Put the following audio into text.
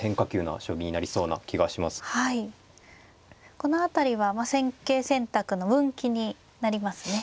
この辺りは戦型選択の分岐になりますね。